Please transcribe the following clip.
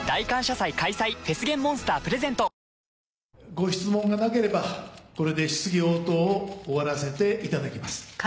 ご質問がなければこれで質疑応答を終わらせていただきます。